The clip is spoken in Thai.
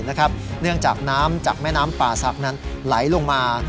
เนื่องจากน้ำจากแม่น้ำป่าศักดิ์นั้นไหลลงมา